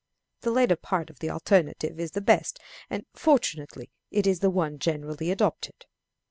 The latter part of the alternative is the best, and, fortunately, it is the one generally adopted.